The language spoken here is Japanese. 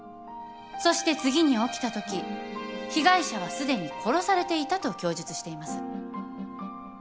そして次に起きたとき被害者はすでに殺されていたと供述しています。